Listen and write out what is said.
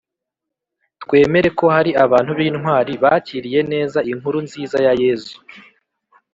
twemere ko hari abantu b’intwari bakiriye neza inkuru nziza ya yezu